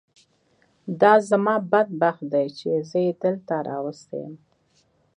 دا زما بد بخت دی چې زه یې دلته راوستی یم.